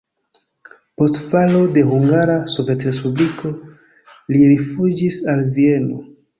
Post falo de Hungara Sovetrespubliko li rifuĝis al Vieno.